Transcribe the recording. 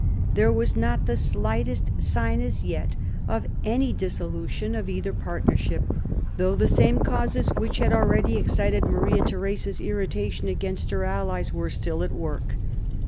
There was not the slightest sign as yet of any dissolution of either partnership, though the same causes which had already excited Maria Theresa's irritation against her allies were still at work.